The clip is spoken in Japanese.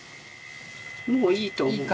もういいと思う。